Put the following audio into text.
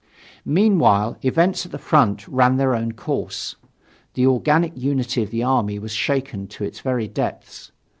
Meanwhile events at the front ran their own course. The organic unity of the army was shaken to its very depths.